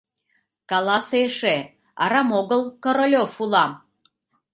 Каласе эше: арам огыл Королёв улам.